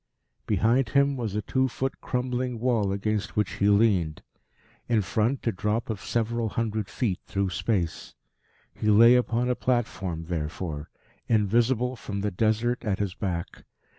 Behind him was a two foot crumbling wall against which he leaned; in front a drop of several hundred feet through space. He lay upon a platform, therefore, invisible from the Desert at his back.